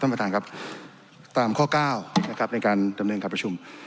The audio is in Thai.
ตามข้อ๙ในการดำเนินการประชุม